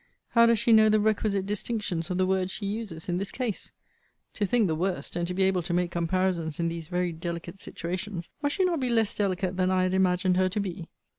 How does she know the requisite distinctions of the words she uses in this case? To think the worst, and to be able to make comparisons in these very delicate situations, must she not be less delicate than I had imagined her to be?